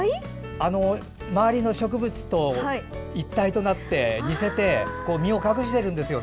周りの植物と一体となって似せて、身を隠してるんです。